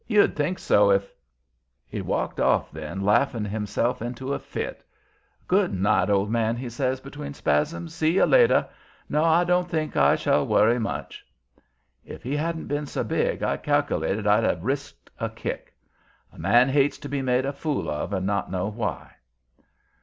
You'd think so if " He walked off then, laughing himself into a fit. "Good night, old man," he says, between spasms. "See you later. No, I don't think I shall worry much." If he hadn't been so big I cal'lated I'd have risked a kick. A man hates to be made a fool of and not know why.